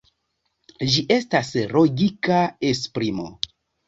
Ĝi estas logika esprimo.